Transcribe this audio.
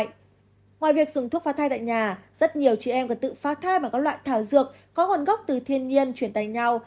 ngoài việc dùng thuốc pha thai tại nhà rất nhiều chị em còn tự phá thai bằng các loại thảo dược có nguồn gốc từ thiên nhiên chuyển tay nhau